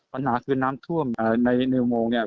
ปัญหาคือน้ำท่วมในอุโมงเนี่ย